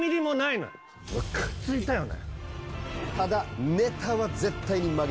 むかついたよね。